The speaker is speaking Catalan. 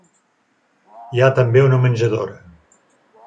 Hi ha també una menjadora.